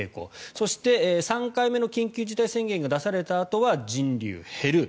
そして、３回目の緊急事態宣言が出されたあとは人流が減る。